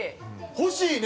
欲しいね！